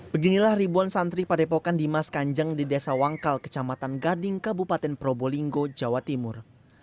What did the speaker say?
beginilah ribuan santri padepokan dimas kanjeng di desa wangkal kecamatan gading kabupaten probolinggo jawa timur